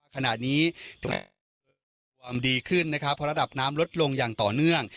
ขณะนี้ความดีขึ้นนะครับเพราะระดับน้ำลดลงอย่างต่อเนื่อง